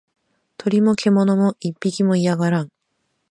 鳥も獣も一匹も居やがらん